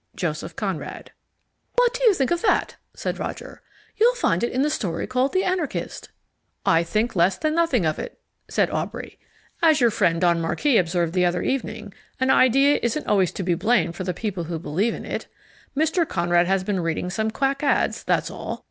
JOSEPH CONRAD. "What do you think of that?" said Roger. "You'll find that in the story called The Anarchist." "I think less than nothing of it," said Aubrey. "As your friend Don Marquis observed the other evening, an idea isn't always to be blamed for the people who believe in it. Mr. Conrad has been reading some quack ads, that's all.